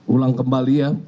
ulang kembali ya